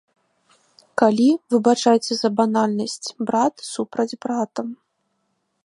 Калі, выбачайце за банальнасць, брат супраць брата.